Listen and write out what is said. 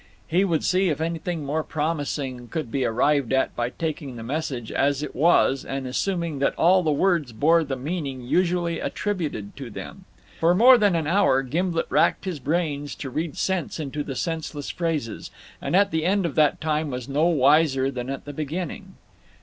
He would see if anything more promising could be arrived at by taking the message as it was and assuming that all the words bore the meaning usually attributed to them. For more than an hour Gimblet racked his brains to read sense into the senseless phrases, and at the end of that time was no wiser than at the beginning.